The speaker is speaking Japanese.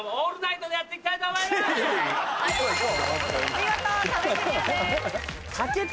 見事壁クリアです。